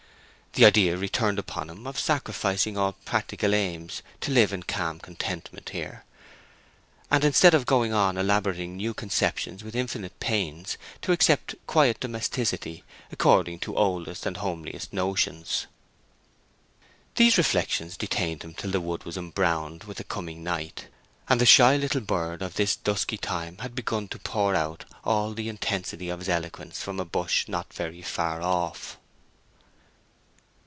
The idea returned upon him of sacrificing all practical aims to live in calm contentment here, and instead of going on elaborating new conceptions with infinite pains, to accept quiet domesticity according to oldest and homeliest notions. These reflections detained him till the wood was embrowned with the coming night, and the shy little bird of this dusky time had begun to pour out all the intensity of his eloquence from a bush not very far off.